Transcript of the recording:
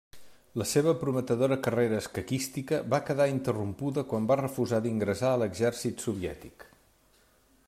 La seva prometedora carrera escaquística va quedar interrompuda quan va refusar d'ingressar a l'exèrcit soviètic.